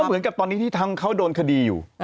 เหมือนกับตอนนี้ที่ทั้งเขาโดนคดีอยู่